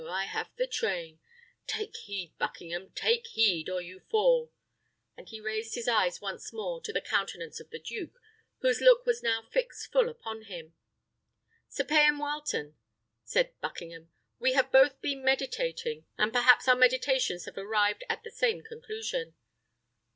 I have the train. Take heed, Buckingham! take heed, or you fall;" and he raised his eyes once more to the countenance of the duke, whose look was now fixed full upon him. "Sir Payan Wileton," said Buckingham, "we have both been meditating, and perhaps our meditations have arrived at the same conclusion."